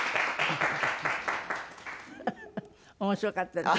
フフ面白かったです。